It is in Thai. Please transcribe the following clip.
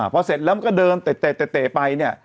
พอเสร็จแล้วมันก็เดินเตะไปเนี่ย